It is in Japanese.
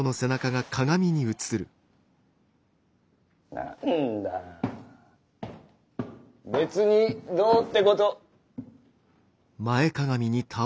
何だ別にどうって事。